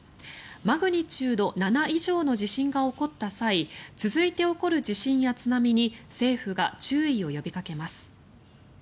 マグニチュード７以上の地震が起こった際続いて起こる地震や津波に政府が注意を呼びかけます。